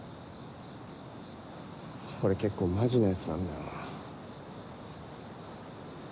これ結構マジなやつなんだよな。